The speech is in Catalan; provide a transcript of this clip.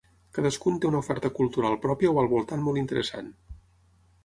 Cadascun té una oferta cultural pròpia o al voltant molt interessant.